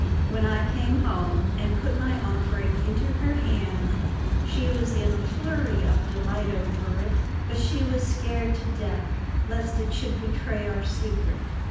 When I came home and put my offering into her hand she was in a flurry of delight over it, but she was scared to death lest it should betray our secret.